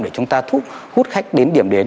để chúng ta hút khách đến điểm đến